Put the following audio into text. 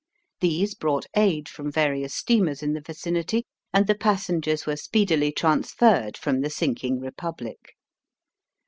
These brought aid from various steamers in the vicinity and the passengers were speedily transferred from the sinking Republic.